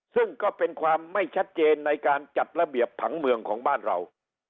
ซึ่งก็เป็นความไม่ชัดเจนในการจัดระเบียบผังเมืองของบ้านเรา